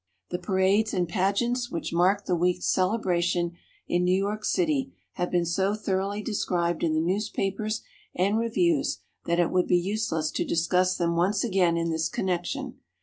The parades and pageants which marked the week's celebration in New York City have been so thoroughly described in the newspapers and reviews that it would be useless to discuss them once again in this connection.